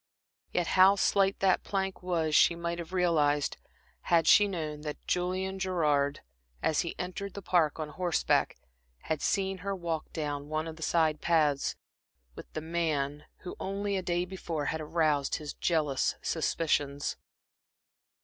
Yet how slight that plank was she might have realized, had she known that Julian Gerard, as he entered the Park on horseback, had seen her walk down one of the side paths, with the man who, only a day before, had aroused his jealous suspicions.